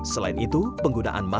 selain itu penggunaan makhluk